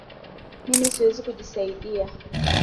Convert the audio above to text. Mimi siwezi kujisaidia